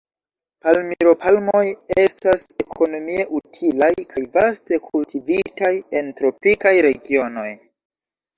Palmiro-palmoj estas ekonomie utilaj, kaj vaste kultivitaj en tropikaj regionoj.